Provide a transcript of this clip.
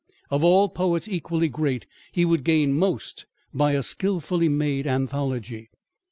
Of all poets equally great, he would gain most by a skilfully made anthology.